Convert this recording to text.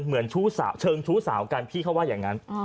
เชิงชู้สาวกันพี่เขาว่าอย่างนั้น